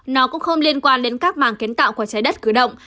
nó cũng không liên quan đến các màng kiến tạo của trái đất cử động